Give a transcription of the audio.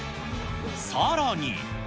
さらに。